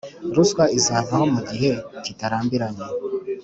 ruswa izavaho mu gihe kitarambiranye